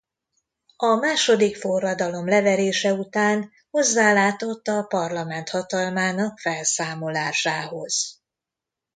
A második forradalom leverése után hozzálátott a parlament hatalmának felszámolásához.